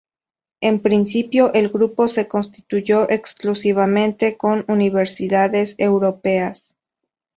En principio, el Grupo se constituyó exclusivamente con universidades europeas.